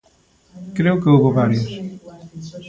Creo que houbo varios.